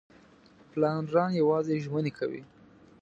پلانران یوازې ژمنې کوي.